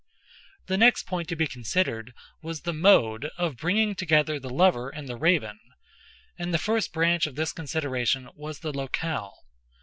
The next point to be considered was the mode of bringing together the lover and the Raven—and the first branch of this consideration was the locale.